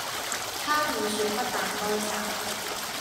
他便説不但該殺，